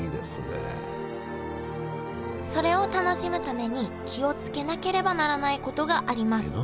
それを楽しむために気を付けなければならないことがあります